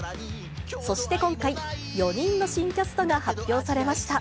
そして今回、４人の新キャストが発表されました。